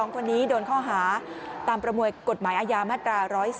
๒คนนี้โดนข้อหาตามประมวลกฎหมายอาญามาตรา๑๔